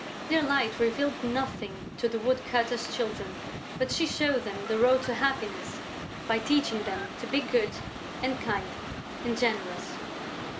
Dear Light revealed nothing to the woodcutter's Children, but she showed them the road to happiness by teaching them to be good and kind and generous.